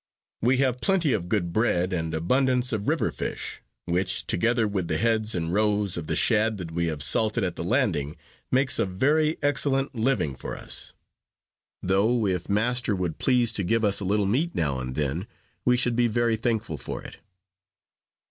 We have plenty of good bread, and abundance of river fish, which, together with the heads and roes of the shad that we have salted at the landing, makes a very excellent living for us; though if master would please to give us a little meat now and then, we should be very thankful for it."